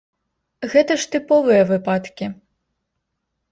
Гэта ж тыповыя выпадкі.